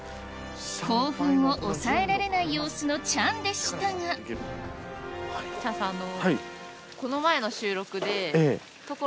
興奮を抑えられない様子のチャンでしたがチャンさんあの。